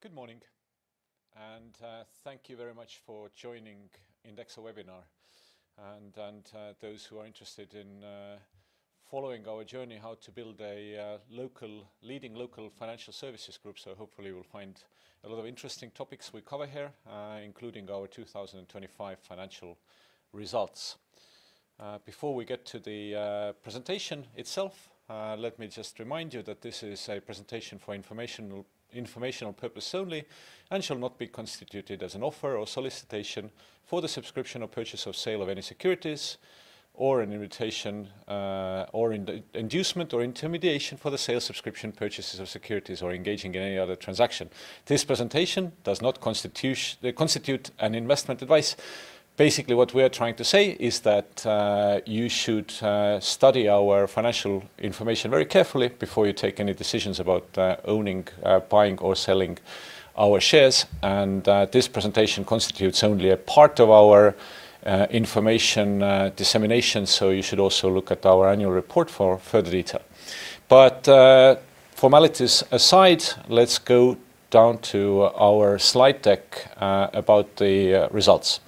Good morning, thank you very much for joining INDEXO webinar. Those who are interested in following our journey, how to build a leading local financial services group. Hopefully, you will find a lot of interesting topics we cover here, including our 2025 financial results. Before we get to the presentation itself, let me just remind you that this is a presentation for informational purposes only, and shall not be constitute as an offer or solicitation for the subscription or purchase or sale of any securities, or an invitation, inducement or intermediation for the sale, subscription, purchases of securities, or engaging in any other transaction. This presentation does not constitute investment advice. Basically, what we are trying to say is that you should study our financial information very carefully before you take any decisions about owning, buying, or selling our shares. This presentation constitutes only a part of our information dissemination, so you should also look at our annual report for further detail. Formalities aside, let's go down to our slide deck about the results.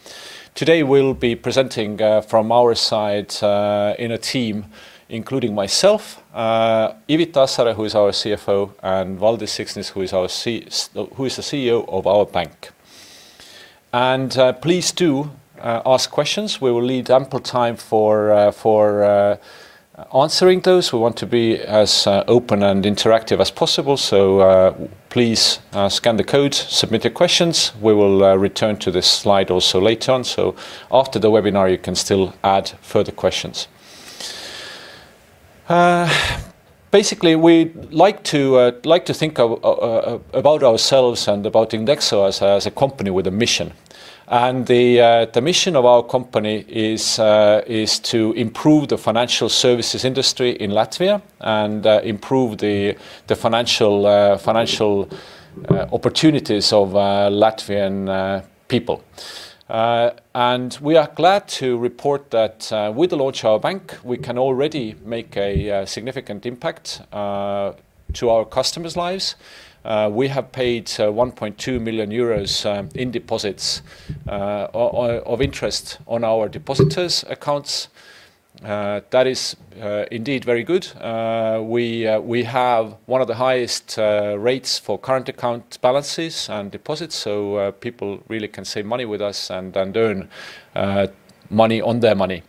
Today, we'll be presenting from our side, in a team, including myself, Ivita Asare, who is our CFO, and Valdis Siksnis, who is the CEO of our bank. Please do ask questions. We will leave ample time for answering those. We want to be as open and interactive as possible. Please scan the code, submit the questions. We will return to this slide also later on. After the webinar, you can still add further questions. Basically, we like to think about ourselves and about INDEXO as a company with a mission. The mission of our company is to improve the financial services industry in Latvia and improve the financial opportunities of Latvian people. We are glad to report that with the launch of our bank, we can already make a significant impact to our customers' lives. We have paid 1.2 million euros in deposits of interest on our depositors' accounts. That is indeed very good. We have one of the highest rates for current account balances and deposits, so people really can save money with us and earn money on their money.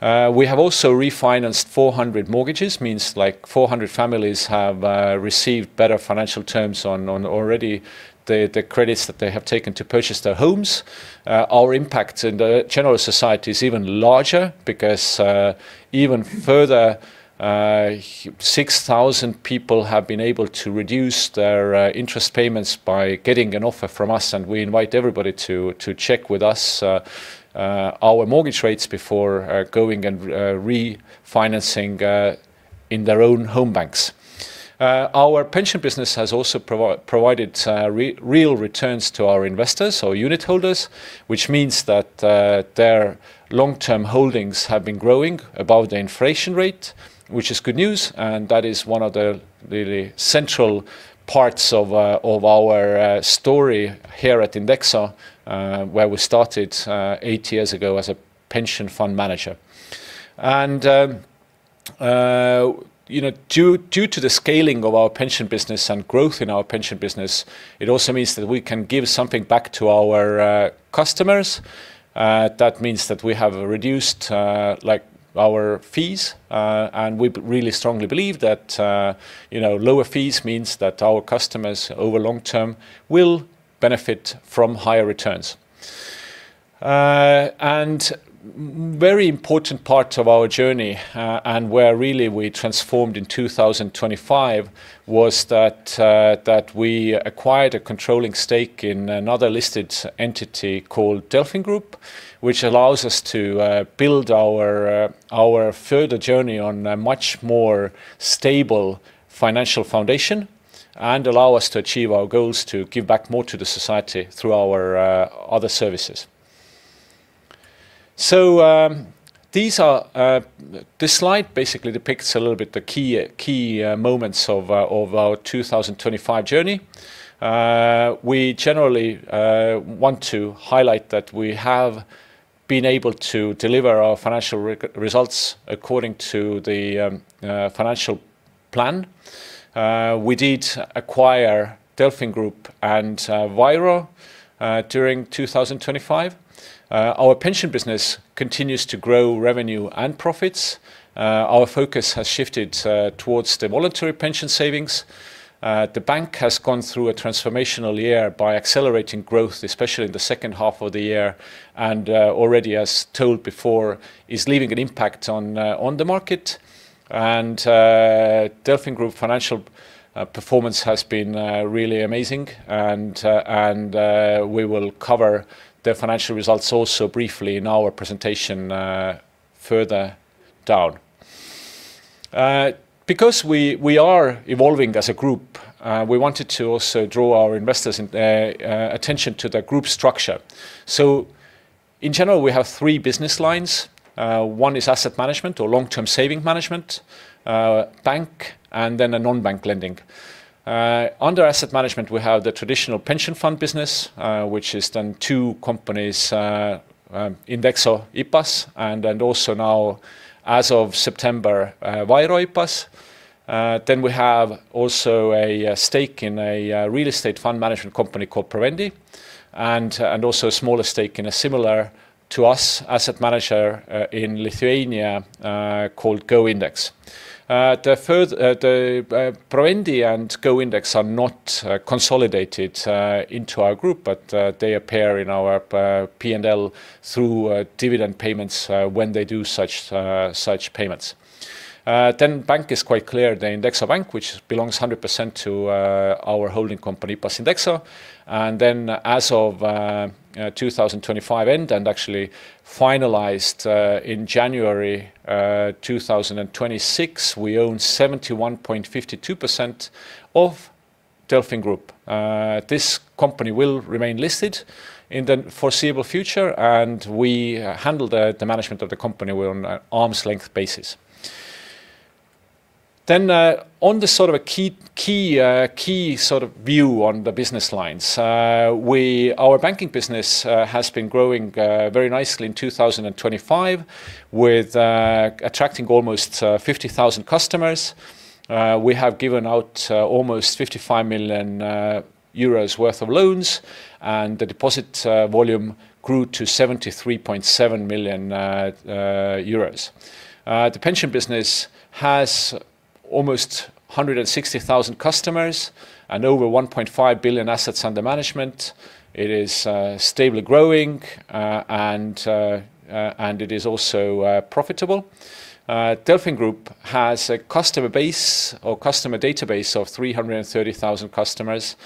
We have also refinanced 400 mortgages, means like 400 families have received better financial terms on already the credits that they have taken to purchase their homes. Our impact in the general society is even larger because even further 6,000 people have been able to reduce their interest payments by getting an offer from us. We invite everybody to check with us our mortgage rates before going and refinancing in their own home banks. Our pension business has also provided real returns to our investors or unit holders, which means that their long-term holdings have been growing above the inflation rate, which is good news. That is one of the really central parts of our story here at INDEXO, where we started eight years ago as a pension fund manager. You know, due to the scaling of our pension business and growth in our pension business, it also means that we can give something back to our customers. That means that we have reduced like our fees. We really strongly believe that, you know, lower fees means that our customers, over the long term, will benefit from higher returns. Very important part of our journey, and where really we transformed in 2025, was that we acquired a controlling stake in another listed entity called DelfinGroup, which allows us to build our further journey on a much more stable financial foundation and allow us to achieve our goals to give back more to the society through our other services. This slide basically depicts a little bit the key moments of our 2025 journey. We generally want to highlight that we have been able to deliver our financial results according to the financial plan. We did acquire DelfinGroup and VAIRO during 2025. Our pension business continues to grow revenue and profits. Our focus has shifted towards the voluntary pension savings. The bank has gone through a transformational year by accelerating growth, especially in the second half of the year, already, as told before, is leaving an impact on the market. DelfinGroup financial performance has been really amazing, and we will cover their financial results also briefly in our presentation further down. Because we are evolving as a group, we wanted to also draw our investors in attention to the group structure. In general, we have three business lines. One is asset management or long-term saving management, bank, and then a non-bank lending. Under asset management, we have the traditional pension fund business, which is two companies, IPAS Indexo, and also now, as of September, VAIRO IPAS. We have also a stake in a real estate fund management company called Provendi, and also a smaller stake in a similar to us, asset manager in Lithuania, called GoIndex. Provendi and GoIndex are not consolidated into our group, they appear in our P&L through dividend payments, when they do such payments. Bank is quite clear, the INDEXO Bank, which belongs 100% to our holding company, IPAS Indexo. As of 2025 end, and actually finalized in January 2026, we own 71.52% of DelfinGroup. This company will remain listed in the foreseeable future, and we handle the management of the company on an arm's length basis. On the sort of a key sort of view on the business lines, our banking business has been growing very nicely in 2025, with attracting almost 50,000 customers. We have given out almost 55 million euros worth of loans, and the deposit volume grew to 73.7 million euros. The pension business has almost 160,000 customers and over 1.5 billion assets under management. It is stable growing and it is also profitable. DelfinGroup has a customer base or customer database of 330,000 customers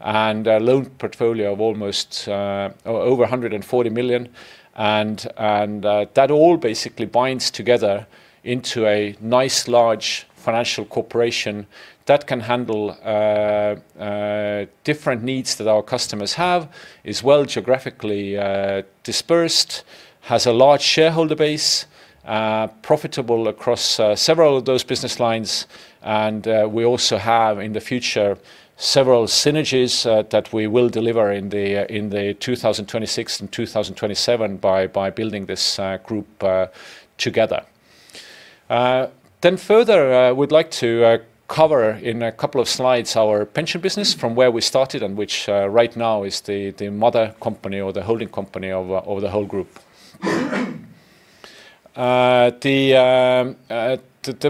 and a loan portfolio of almost over 140 million. That all basically binds together into a nice, large financial corporation that can handle different needs that our customers have, is well geographically dispersed, has a large shareholder base, profitable across several of those business lines. We also have, in the future, several synergies that we will deliver in the 2026 and 2027 by building this group together. Further, we'd like to cover in a couple of slides, our pension business from where we started and which right now is the mother company or the holding company of the whole group. The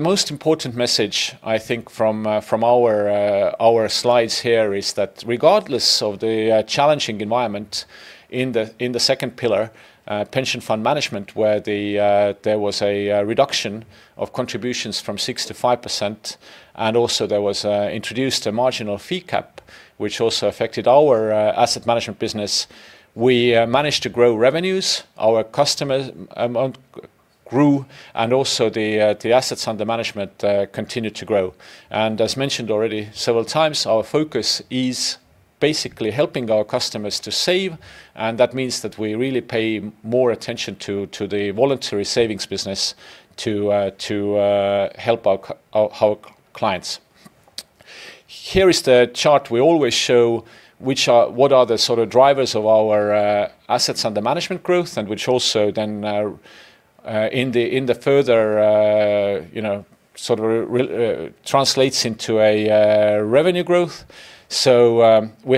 most important message, I think, from our slides here, is that regardless of the challenging environment in the second pillar pension fund management, where there was a reduction of contributions from 6% to 5%, and also there was introduced a marginal fee cap, which also affected our asset management business, we managed to grow revenues, our customer amount grew, and also the assets under management continued to grow. As mentioned already several times, our focus is basically helping our customers to save, that means that we really pay more attention to the voluntary savings business to help our clients. Here is the chart we always show, what are the sort of drivers of our assets under management growth, and which also then, in the further, you know, sort of translates into a revenue growth. We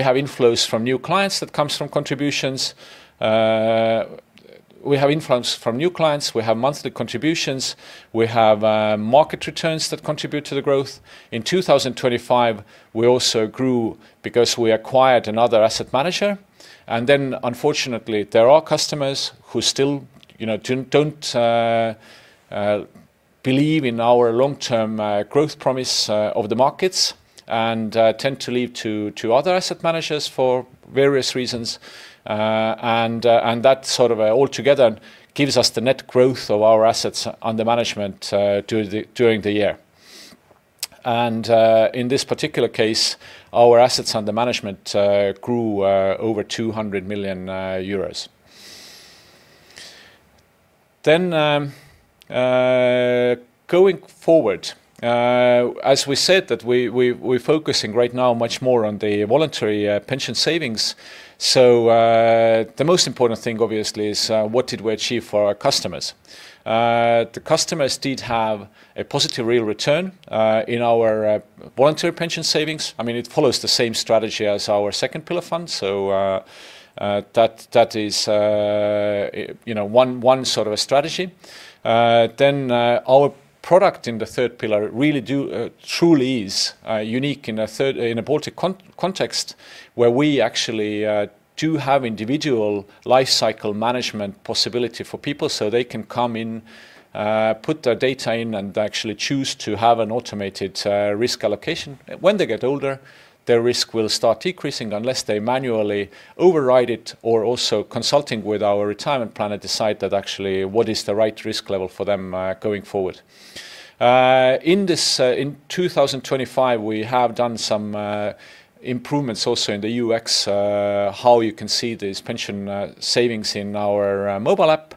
have inflows from new clients that come from contributions. We have inflows from new clients, we have monthly contributions, we have market returns that contribute to the growth. In 2025, we also grew because we acquired another asset manager. Then, unfortunately, there are customers who still, you know, don't believe in our long-term growth promise of the markets and tend to leave to other asset managers for various reasons. That sort of all together, give us the net growth of our assets under management during the year. In this particular case, our assets under management grew over 200 million euros. Going forward, as we said that we're focusing right now much more on the voluntary pension savings. The most important thing, obviously, is what did we achieve for our customers? The customers did have a positive real return in our voluntary pension savings. I mean, it follows the same strategy as our second pillar fund. That is, you know, one sort of a strategy. Then, our product in the third pillar really truly is unique in a Baltic context, where we actually do have individual life cycle management possibility for people. They can come in, put their data in, and actually choose to have an automated risk allocation. When they get older, their risk will start decreasing unless they manually override it, or also consulting with our retirement planner, decide that actually, what is the right risk level for them, going forward. In this, in 2025, we have done some improvements also in the UX, how you can see these pension savings in our mobile app.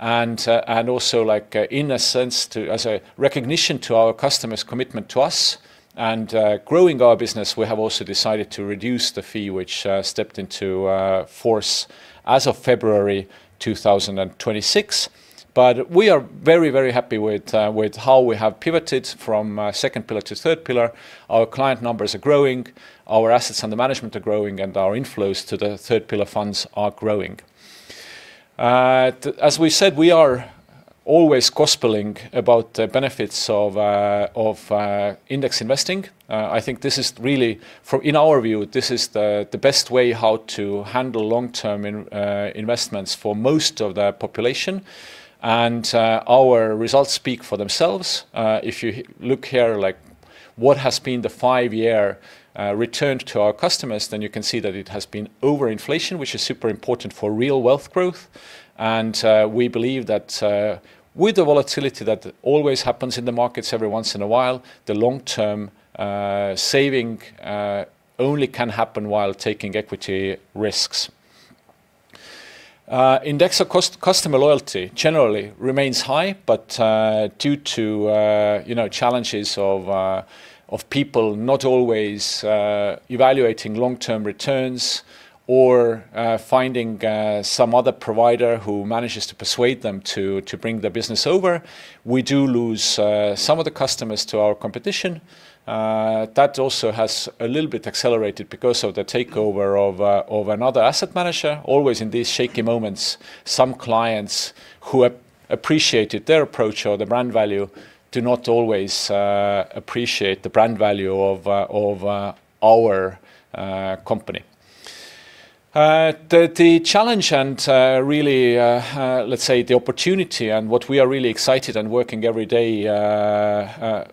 Also, in a sense to, as a recognition to our customers' commitment to us and growing our business, we have also decided to reduce the fee, which stepped into force as of February 2026. We are very, very happy with how we have pivoted from second pillar to third pillar. Our client numbers are growing, our assets under management are growing, and our inflows to the third pillar funds are growing. As we said, we are always gospelling about the benefits of index investing. I think this is really, in our view, this is the best way how to handle long-term investments for most of the population, our results speak for themselves. If you look here, like, what has been the five-year return to our customers, you can see that it has been over inflation, which is super important for real wealth growth. We believe that with the volatility that always happens in the markets every once in a while, the long-term saving only can happen while taking equity risks. INDEXO customer loyalty generally remains high, due to, you know, challenges of people not always evaluating long-term returns or finding some other provider who managed to persuade them to bring their business over, we do lose some of the customers to our competition. That also has a little bit accelerated because of the takeover of another asset manager. Always in these shaky moments, some clients who appreciated their approach or the brand value, do not always appreciate the brand value of our company. The challenge and really, let's say, the opportunity and what we are really excited and working every day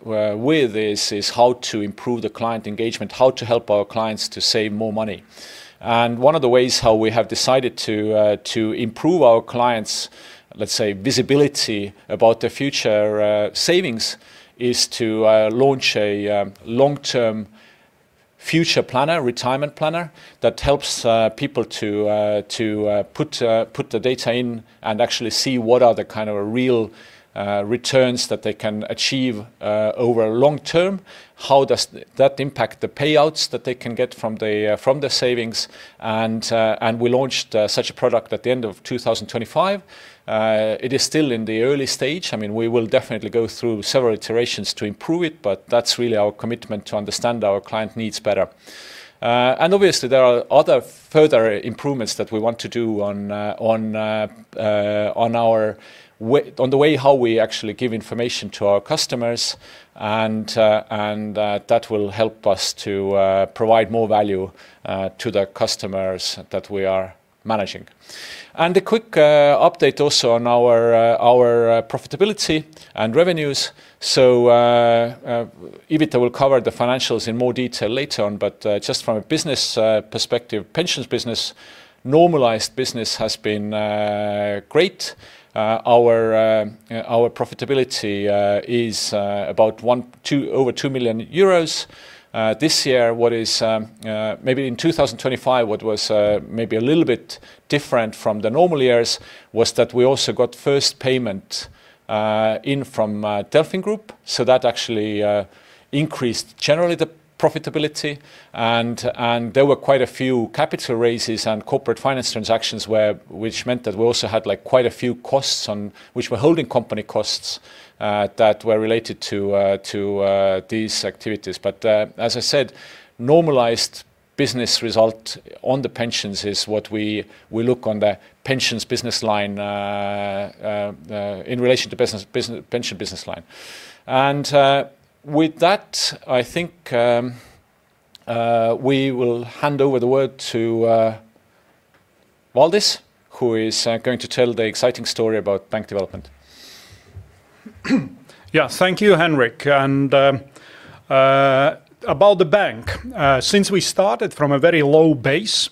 with this, is how to improve client engagement, how to help our clients to save more money. One of the ways how we have decided to improve our clients', let's say, visibility about the future savings, is to launch a long-term future planner, retirement planner, that helps people to put the data in and actually see what are the kind of real returns that they can achieve over long term, how does that impact the payouts that they can get from their savings. We launched such a product at the end of 2025. It is still in the early stage. I mean, we will definitely go through several iterations to improve it, but that's really our commitment to understand our client needs better. Obviously, there are other further improvements that we want to do on the way how we actually give information to our customers, that will help us to provide more value to the customers that we are managing. A quick update also on our profitability and revenues. Ivita will cover the financials in more detail later on, just from a business perspective, pensions business, normalized business has been great. Our profitability is about one, two, over 2 million euros. This year, what is maybe in 2025, what was maybe a little bit different from the normal years, was that we also got first payment in from DelfinGroup. That actually increased generally the profitability, and there were quite a few capital raises and corporate finance transactions which meant that we also had, like, quite a few costs on, which were holding company costs that were related to these activities. As I said, normalized business result on the pensions is what we look on the pensions business line in relation to business pension business line. With that, I think, we will hand over the word to Valdis, who is going to tell the exciting story about Bank development. Yeah. Thank you, Henriks. About the bank, since we started from a very low base,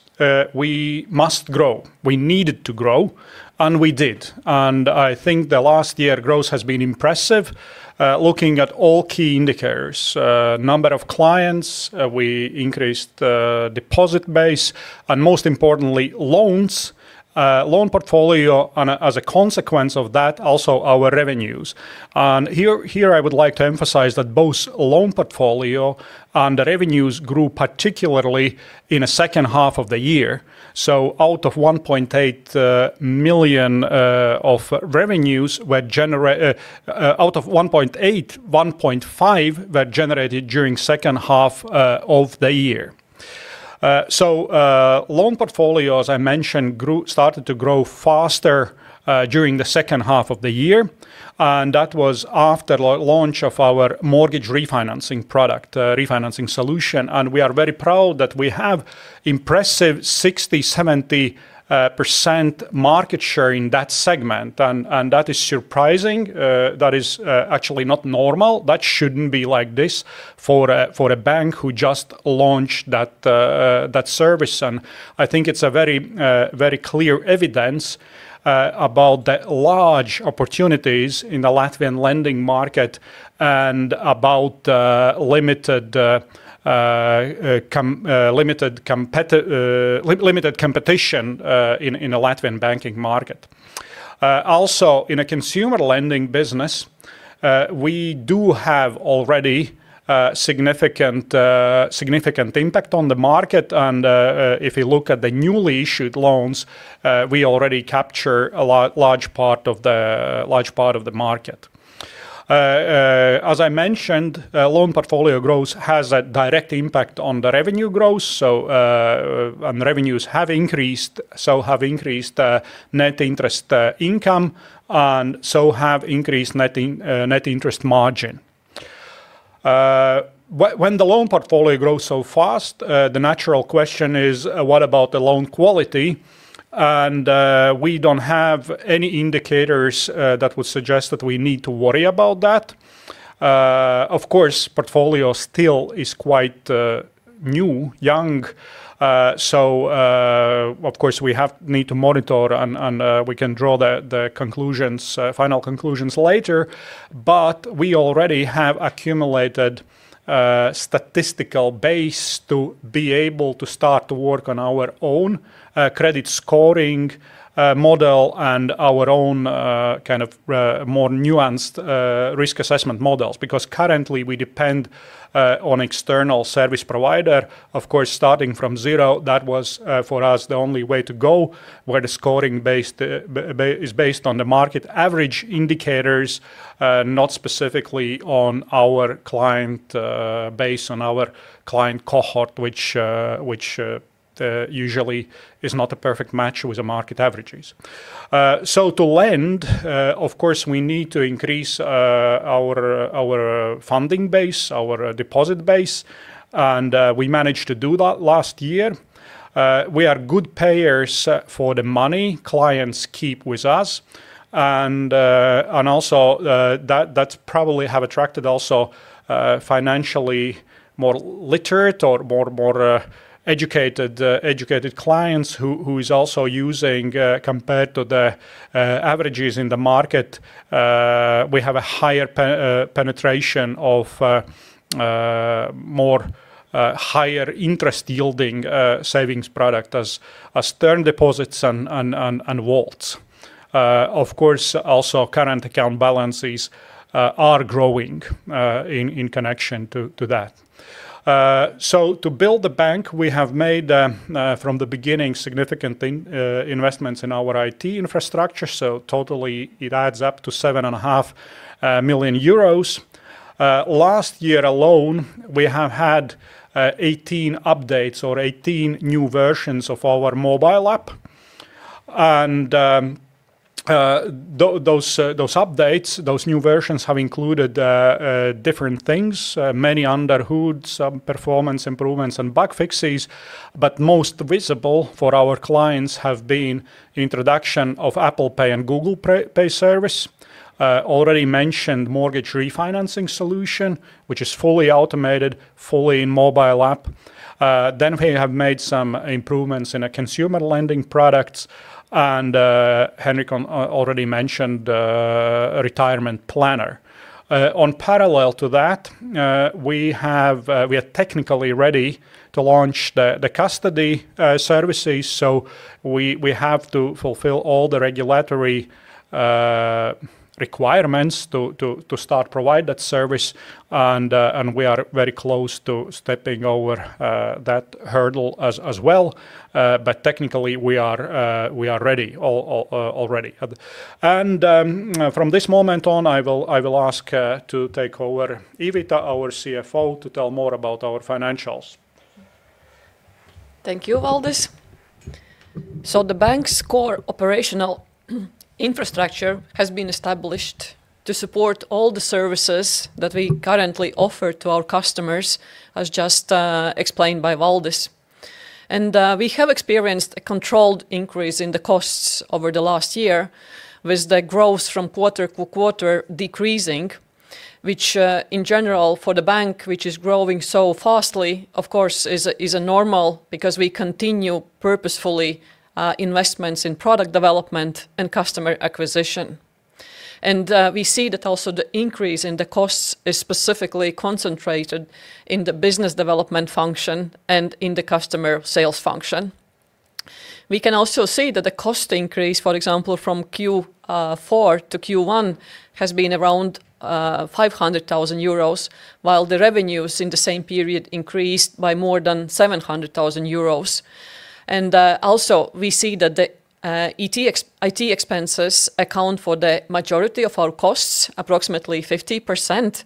we must grow. We needed to grow, and we did. I think the last year growth has been impressive, looking at all key indicators. Number of clients, we increased the deposit base, and most importantly, loans, loan portfolio, and as a consequence of that, also our revenues. Here, I would like to emphasize that both loan portfolio and the revenues grew particularly in the second half of the year. Out of 1.8 million of revenues, 1.5 million were generated during second half of the year. Loan portfolio, as I mentioned, grew. Started to grow faster during the second half of the year, and that was after launch of our mortgage refinancing product, refinancing solution. We are very proud that we have impressive 60%-70% market share in that segment, and that is surprising. That is actually not normal. That shouldn't be like this for a bank who just launched that service. I think it's a very clear evidence about the large opportunities in the Latvian lending market and about limited competition in the Latvian banking market. Also in a consumer lending business, we do have already significant impact on the market. If you look at the newly issued loans, we already capture a large part of the market. As I mentioned, loan portfolio growth has a direct impact on the revenue growth. Revenues have increased, so have increased net interest income, and so have increased net interest margin. When the loan portfolio grows so fast, the natural question is, what about the loan quality? We don't have any indicators that would suggest that we need to worry about that. Of course, portfolio still is quite new, young, so, of course, we have need to monitor and we can draw the conclusions, final conclusions later. We already have accumulated statistical base to be able to start to work on our own credit scoring model and our own kind of more nuanced risk assessment models. Currently we depend on external service provider. Of course, starting from zero, that was for us the only way to go, where the scoring is based on the market average indicators, not specifically on our client base, on our client cohort, which usually is not a perfect match with the market averages. To lend, of course, we need to increase our funding base, our deposit base, and we managed to do that last year. We are good payers for the money clients keep with us, and also, that's probably have attracted also financially more literate or more educated clients who is also using compared to the averages in the market, we have a higher penetration of more higher interest yielding savings product as term deposits and vaults. Of course, also current account balances are growing in connection to that. To build the bank, we have made from the beginning, significant investments in our IT infrastructure, so totally it adds up to 7.5 million euros. Last year alone, we have had 18 updates or 18 new versions of our mobile app. Those updates, those new versions have included different things, many under hood, some performance improvements and bug fixes, but most visible for our clients have been the introduction of Apple Pay and Google Pay service, already mentioned mortgage refinancing solution, which is fully automated, fully mobile app. We have made some improvements in our consumer lending products, and Henriks already mentioned retirement planner. On parallel to that, we are technically ready to launch the custody services, so we have to fulfill all the regulatory requirements to start providing that service, and we are very close to stepping over that hurdle as well. Technically, we are ready already. From this moment on, I will ask to take over Ivita, our CFO, to tell more about our financials. Thank you, Valdis. The Bank's core operational infrastructure has been established to support all the services that we currently offer to our customers, as just explained by Valdis. We have experienced a controlled increase in the costs over the last year, with the growth from quarter to quarter decreasing, which in general, for the Bank, which is growing so fast, of course, is a normal, because we continue purposefully investments in product development and customer acquisition. We see that also the increase in the costs is specifically concentrated in the business development function and in the customer sales function. We can also see that the cost increase, for example, from Q4 to Q1, has been around 500,000 euros, while the revenues in the same period increased by more than 700,000 euros. Also, we see that the IT expenses account for the majority of our costs, approximately 50%.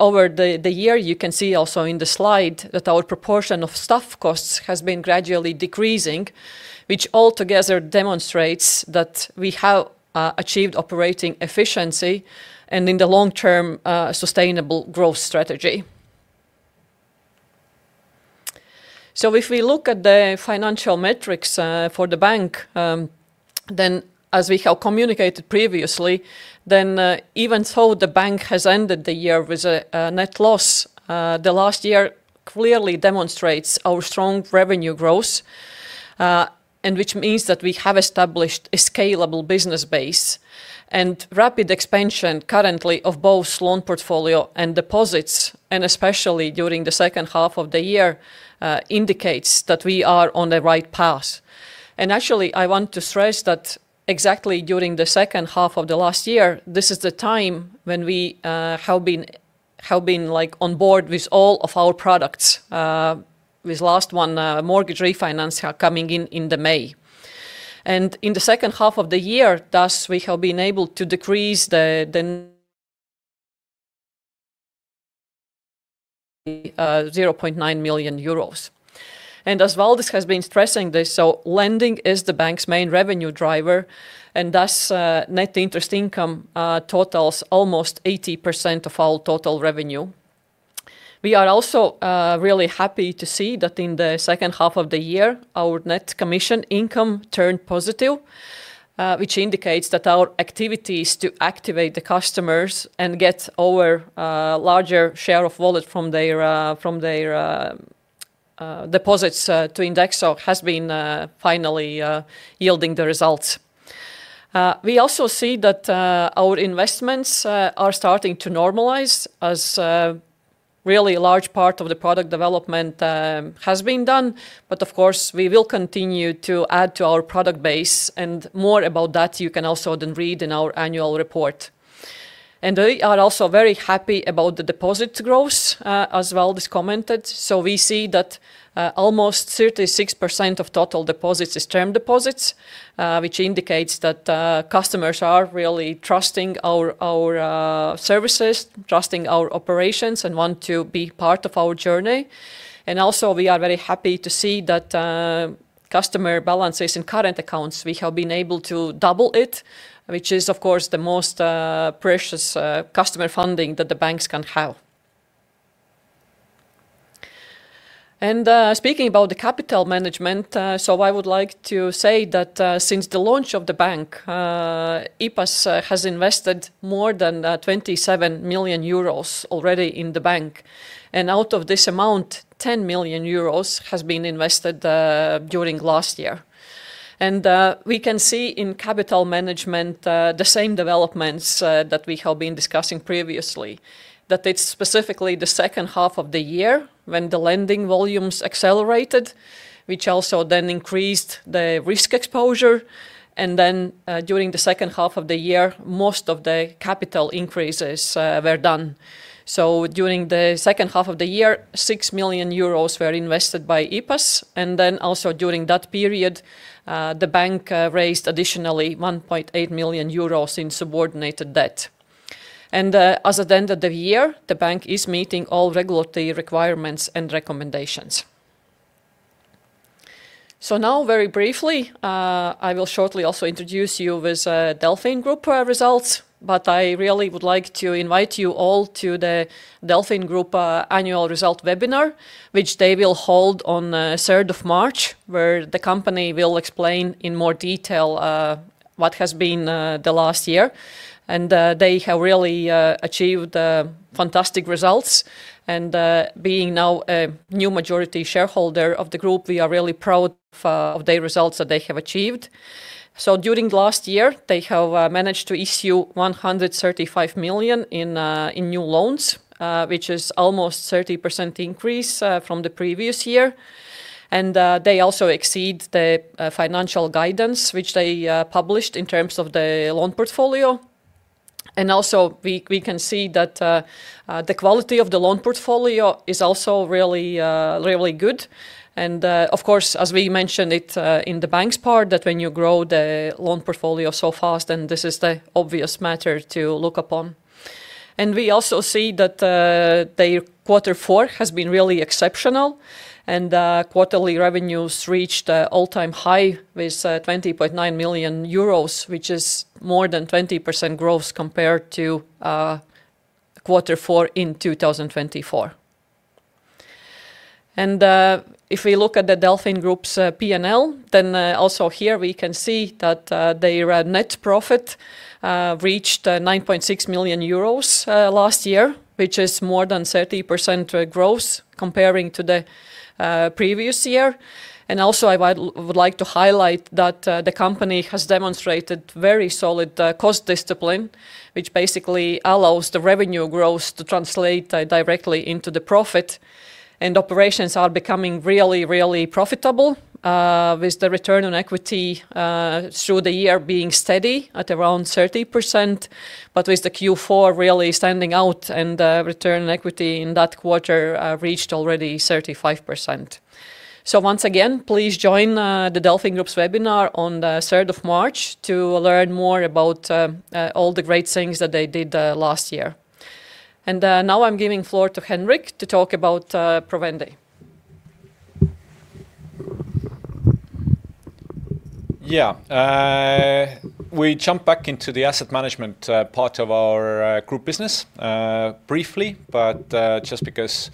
Over the year, you can see also in the slide that our proportion of staff costs has been gradually decreasing, which altogether demonstrates that we have achieved operating efficiency and, in the long term, sustainable growth strategy. If we look at the financial metrics for the bank, then as we have communicated previously, then even though the bank has ended the year with a net loss, the last year clearly demonstrates our strong revenue growth, and which means that we have established a scalable business base. Rapid expansion currently of both loan portfolio and deposits, and especially during the second half of the year, indicates that we are on the right path. Actually, I want to stress that exactly during the second half of the last year, this is the time when we have been, like, on board with all of our products, with last one, mortgage refinancing coming in the May. In the second half of the year, thus, we have been able to decrease the 0.9 million euros. As Valdis has been stressing this, so lending is the bank's main revenue driver, and thus, net interest income totals almost 80% of our total revenue. We are also really happy to see that in the second half of the year, our net commission income turned positive, which indicates that our activities to activate the customers and get our larger share of wallet from their deposits to INDEXO has been finally yielding the results. We also see that our investments are starting to normalize as really a large part of the product development has been done. Of course, we will continue to add to our product base, and more about that you can also then read in our annual report. We are also very happy about the deposit growth, as Valdis commented. We see that almost 36% of total deposits is Term deposits, which indicates that customers are really trusting our services, trusting our operations, and want to be part of our journey. Also we are very happy to see that customer balances in current accounts, we have been able to double it, which is, of course, the most precious customer funding that the banks can have. Speaking about the capital management, I would like to say that since the launch of the bank, IPAS has invested more than 27 million euros already in the bank. Out of this amount, 10 million euros has been invested during last year. We can see in capital management the same developments that we have been discussing previously. It's specifically the second half of the year when the lending volumes accelerated, which also then increased the risk exposure, during the second half of the year, most of the capital increases were done. During the second half of the year, 6 million euros were invested by IPAS, and then also during that period, the bank raised additionally 1.8 million euros in subordinated debt. As at the end of the year, the bank is meeting all regulatory requirements and recommendations. Now, very briefly, I will shortly also introduce you with DelfinGroup results, but I really would like to invite you all to the DelfinGroup annual result webinar, which they will hold on third of March, where the company will explain in more detail what has been the last year. They have really achieved fantastic results. Being now a new majority shareholder of the group, we are really proud of the results that they have achieved. During last year, they have managed to issue 135 million in new loans, which is almost 30% increase from the previous year. They also exceed the financial guidance, which they published in terms of the loan portfolio. Also, we can see that the quality of the loan portfolio is also really good. Of course, as we mentioned it in the bank's part, that when you grow the loan portfolio so fast, then this is the obvious matter to look upon. We also see that their quarter four has been really exceptional, and quarterly revenues reached an all-time high with 20.9 million euros, which is more than 20% growth compared to quarter four in 2024. If we look at the DelfinGroup's P&L, then also here we can see that their net profit reached 9.6 million euros last year, which is more than 30% growth comparing to the previous year. Also, I would like to highlight that the company has demonstrated very solid cost discipline, which basically allows the revenue growth to translate directly into the profit. Operations are becoming really profitable with the return on equity through the year being steady at around 30%, but with the Q4 really standing out and return on equity in that quarter reached already 35%. Once again, please join the DelfinGroup's webinar on the 3rd of March to learn more about all the great things that they did last year. Now I'm giving floor to Henriks to talk about Provendi. Yeah. We jump back into the asset management part of our group business briefly, but just because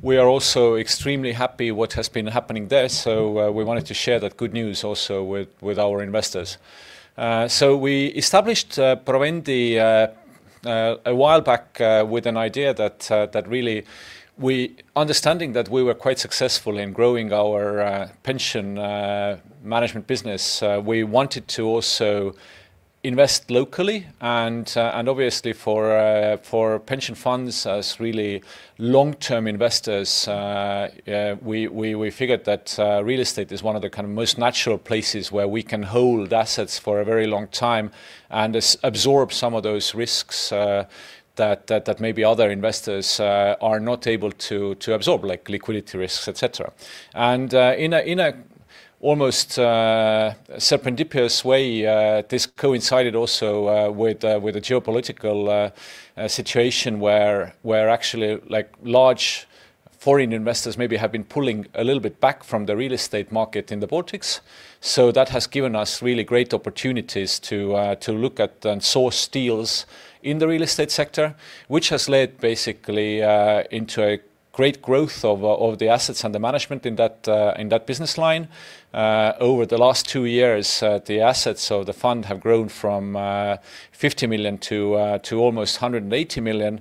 we are also extremely happy what has been happening there, so we wanted to share that good news also with our investors. We established Provendi a while back with an idea that really Understanding that we were quite successful in growing our pension management business, we wanted to also- invest locally and obviously for pension funds as really long-term investors, we figured that real estate is one of the kind of most natural places where we can hold assets for a very long time and absorb some of those risks that maybe other investors are not able to absorb, like liquidity risks, et cetera. In an almost serendipitous way, this coincided also with the geopolitical situation, where actually, like, large foreign investors maybe have been pulling a little bit back from the real estate market in the Baltics. That has given us really great opportunities to look at and source deals in the real estate sector, which has led basically into a great growth of the assets and the management in that in that business line. Over the last two years, the assets of the fund have grown from 50 million to almost 180 million.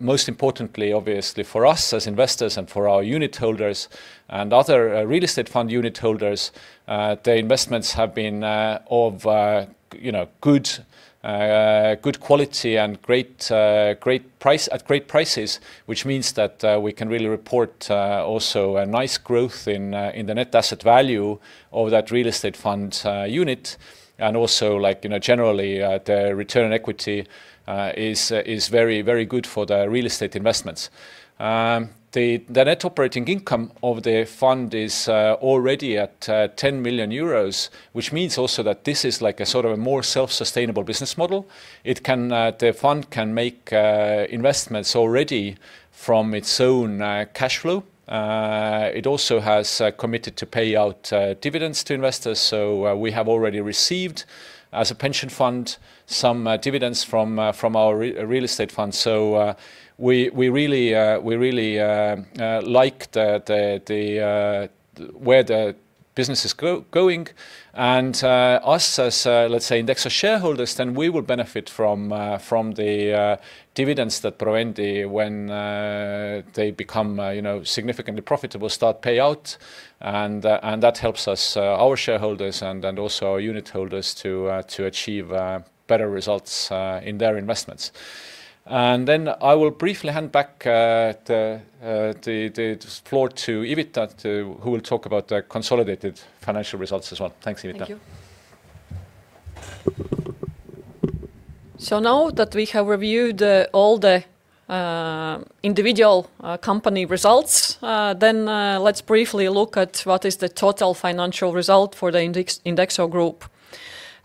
Most importantly, obviously, for us as investors and for our unit holders and other real estate fund unit holders, the investments have been of, you know, good good quality and at great prices, which means that we can really report also a nice growth in the net asset value of that real estate fund unit. Also, like, you know, generally, the return on equity is very, very good for the real estate investments. The net operating income of the fund is already at 10 million euros, which means also that this is like a sort of a more self-sustainable business model. The fund can make investments already from its own cash flow. It also has committed to pay out dividends to investors. We have already received, as a pension fund, some dividends from our real estate fund. We really like the where the business is going. Us, as, let's say, INDEXO shareholders, then we will benefit from from the dividends that Provendi, when they become, you know, significantly profitable, start payout. That helps us, our shareholders and also our unit holders to achieve better results in their investments. I will briefly hand back the floor to Ivita, who will talk about the consolidated financial results as well. Thanks, Ivita. Thank you. Now that we have reviewed all the individual company results, then let's briefly look at what is the total financial result for the INDEXO Group.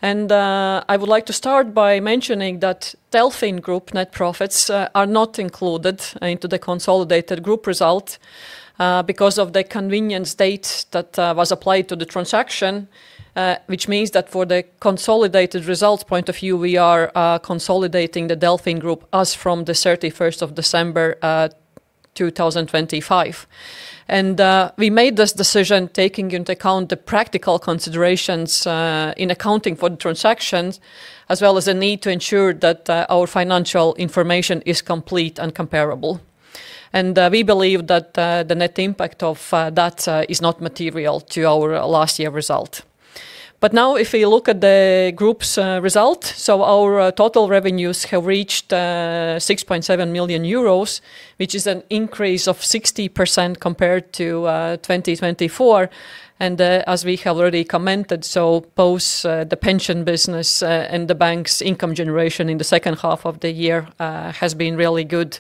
I would like to start by mentioning that DelfinGroup net profits are not included into the consolidated group result because of the convenience date that was applied to the transaction. Which means that for the consolidated results point of view, we are consolidating the DelfinGroup as from the 31st of December 2025. We made this decision taking into account the practical considerations in accounting for the transactions, as well as the need to ensure that our financial information is complete and comparable. We believe that the net impact of that is not material to our last year result. Now, if you look at the group's result, our total revenues have reached 6.7 million euros, which is an increase of 60% compared to 2024. As we have already commented, both the pension business and the bank's income generation in the second half of the year has been really good.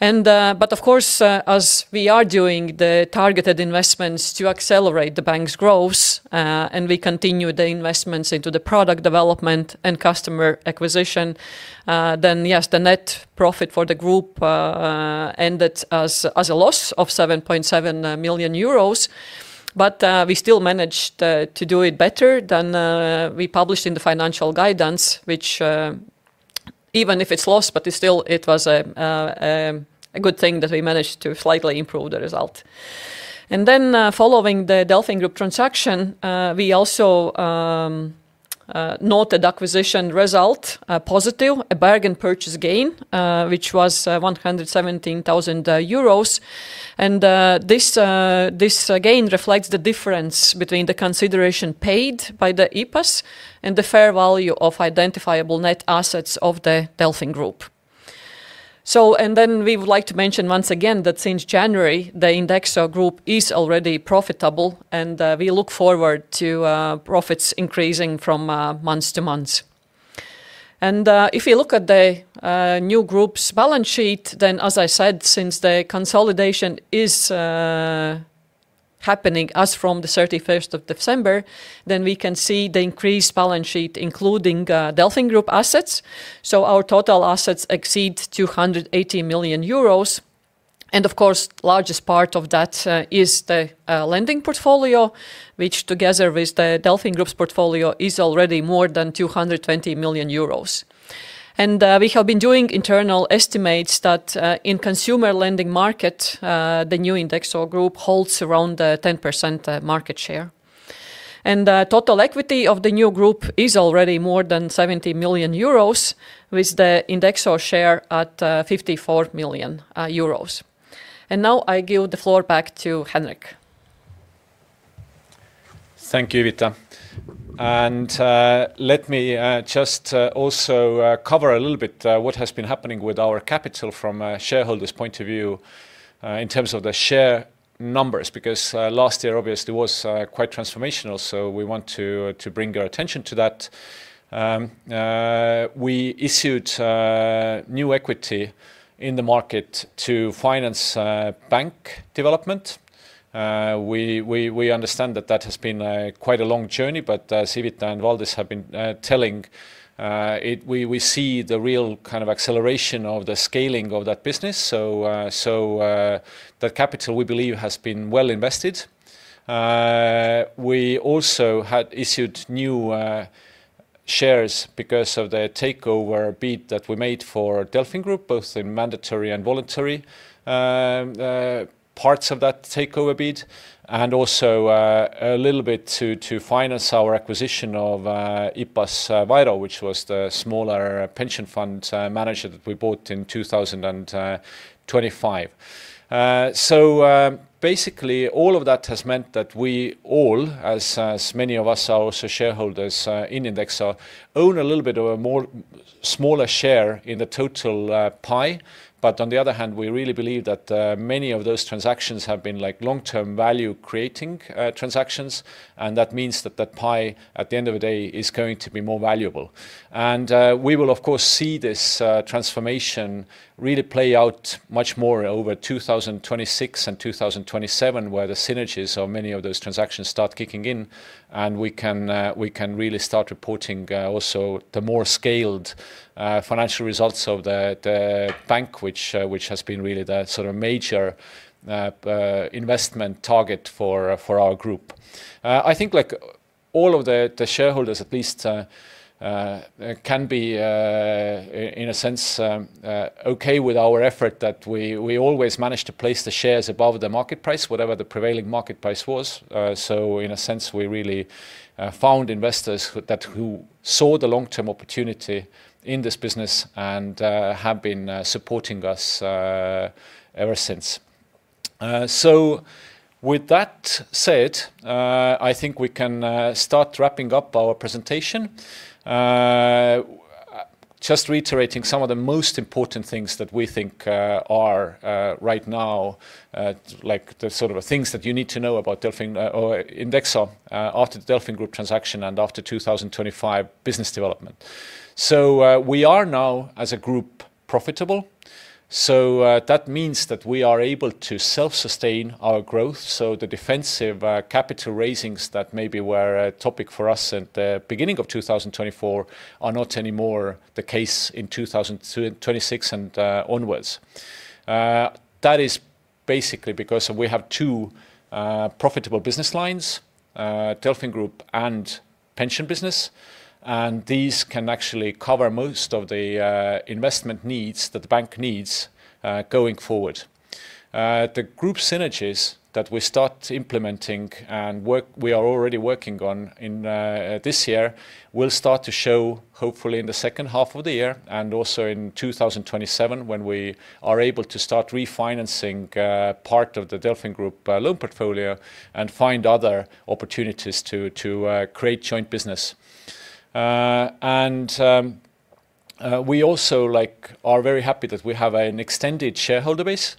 Of course, as we are doing the targeted investments to accelerate the bank's growth, and we continue the investments into the product development and customer acquisition, yes, the net profit for the group ended as a loss of 7.7 million euros. We still managed to do it better than we published in the financial guidance, which, even if it's loss, but it still, it was a good thing that we managed to slightly improve the result. Following the DelfinGroup transaction, we also noted acquisition result, a positive, a bargain purchase gain, which was 117,000 euros. This gain reflects the difference between the consideration paid by the IPAS and the fair value of identifiable net assets of the DelfinGroup. We would like to mention once again that since January, the INDEXO Group is already profitable, and we look forward to profits increasing from months to months. If you look at the new group's balance sheet, as I said, since the consolidation is happening as from the 31st of December, we can see the increased balance sheet, including DelfinGroup assets. Our total assets exceed 280 million euros, of course, largest part of that is the lending portfolio, which, together with the DelfinGroup's portfolio, is already more than 220 million euros. We have been doing internal estimates that in consumer lending market, the new INDEXO Group holds around 10% market share. Total equity of the new group is already more than 70 million euros, with the INDEXO share at 54 million euros. Now I give the floor back to Henriks. Thank you, Ivita. Let me just also cover a little bit what has been happening with our capital from a shareholders' point of view, in terms of the share numbers, because last year, obviously, was quite transformational, so we want to bring your attention to that. We issued new equity in the market to finance bank development. We understand that that has been quite a long journey, but Ivita and Valdis have been telling. We see the real kind of acceleration of the scaling of that business. The capital, we believe, has been well invested. We also had issued new shares because of the takeover bid that we made for DelfinGroup, both the mandatory and voluntary parts of that takeover bid, and also a little bit to finance our acquisition of IPAS VAIRO, which was the smaller pension fund manager that we bought in 2025. Basically, all of that has meant that we all, as many of us are also shareholders in INDEXO, own a little bit of a more a smaller share in the total pie. On the other hand, we really believe that many of those transactions have been like long-term value creating transactions, and that means that the pie, at the end of the day, is going to be more valuable. We will, of course, see this transformation really play out much more over 2026 and 2027, where the synergies of many of those transactions start kicking in, and we can, we can really start reporting, also the more scaled, financial results of the bank, which has been really the sort of major investment target for our group. I think, like, all of the shareholders at least, can be in a sense, okay with our effort, that we always manage to place the shares above the market price, whatever the prevailing market price was. In a sense, we really found investors who saw the long-term opportunity in this business and have been supporting us ever since. With that said, I think we can start wrapping up our presentation. Just reiterating some of the most important things that we think are right now like the sort of things that you need to know about Delfin or INDEXO after the DelfinGroup transaction and after 2025 business development. We are now, as a group, profitable, that means that we are able to self-sustain our growth. So the defensive capital raisings that maybe were a topic for us at the beginning of 2024 are not anymore the case in 2026 and onwards. That is basically because we have two profitable business lines, DelfinGroup and pension business, and these can actually cover most of the investment needs that the bank needs going forward. The group synergies that we start implementing and we are already working on in this year, will start to show, hopefully, in the second half of the year and also in 2027, when we are able to start refinancing part of the DelfinGroup loan portfolio and find other opportunities to create joint business. We also, like, are very happy that we have an extended shareholder base.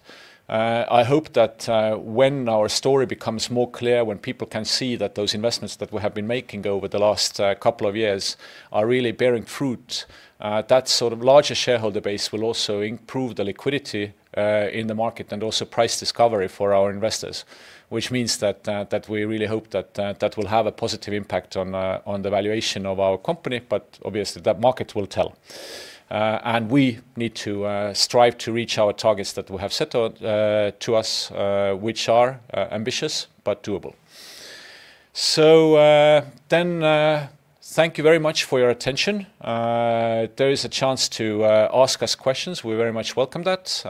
I hope that when our story becomes more clear, when people can see that those investments that we have been making over the last couple of years are really bearing fruit, that sort of larger shareholder base will also improve the liquidity in the market and also price discovery for our investors, which means that we really hope that that will have a positive impact on the valuation of our company, but obviously, that market will tell. We need to strive to reach our targets that we have set out to us, which are ambitious but doable. Thank you very much for your attention. There is a chance to ask us questions. We very much welcome that.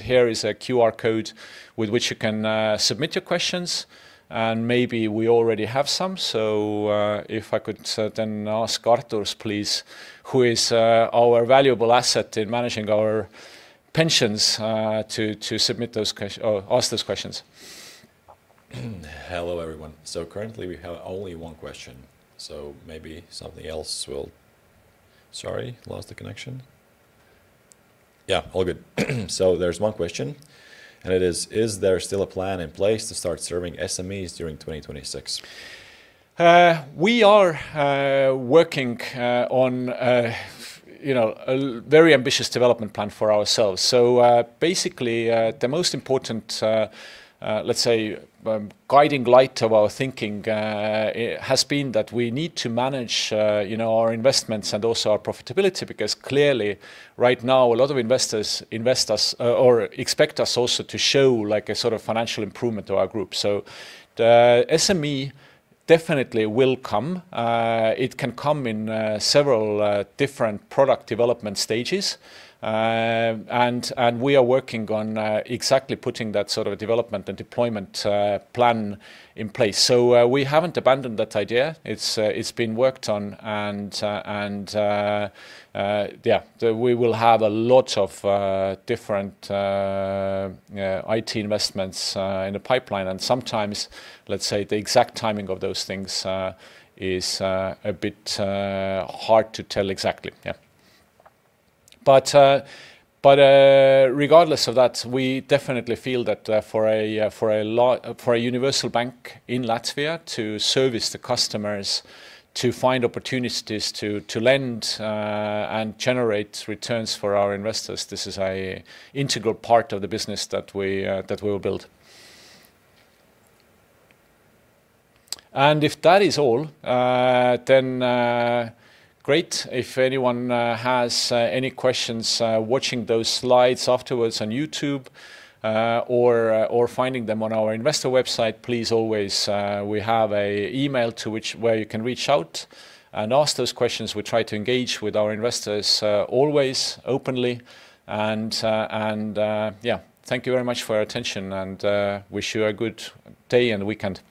Here is a QR code with which you can submit your questions, and maybe we already have some. If I could then ask Artūrs, please, who is our valuable asset in managing our pensions, to ask those questions. Hello, everyone. Currently, we have only one question. Sorry, lost the connection. Yeah, all good. There's one question, and it is: Is there still a plan in place to start serving SMEs during 2026? We are working on, you know, a very ambitious development plan for ourselves. Basically, the most important, let's say, guiding light of our thinking has been that we need to manage, you know, our investments and also our profitability, because clearly, right now, a lot of investors invest us or expect us also to show, like, a sort of financial improvement to our group. The SME definitely will come. It can come in several different product development stages. And we are working on exactly putting that sort of development and deployment plan in place. We haven't abandoned that idea. It's been worked on and. Yeah. We will have a lot of, different, IT investments, in the pipeline. Sometimes, let's say, the exact timing of those things, is, a bit, hard to tell exactly. Yeah. Regardless of that, we definitely feel that for a universal bank in Latvia to service the customers, to find opportunities to lend, and generate returns for our investors, this is an integral part of the business that we, that we will build. If that is all, then, great. If anyone, has, any questions, watching those slides afterwards on YouTube, or finding them on our investor website, please, always, we have an email where you can reach out and ask those questions. We try to engage with our investors, always openly. Thank you very much for your attention, and wish you a good day and weekend.